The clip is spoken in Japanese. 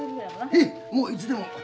へいもういつでも。